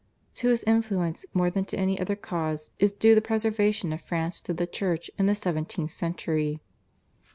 To his influence more than to any other cause is due the preservation of France to the Church in the seventeenth century.